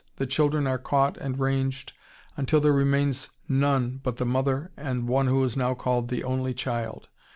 The children are caught and ranged until there remains none but the mother and one who is now called "the only child."